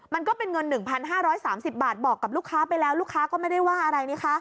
มันก็เป็นเงิน๑๕๓๐บาทบอกกับลูกค้าไปแล้วลูกค้าก็ไม่ได้ว่าอะไรนะคะ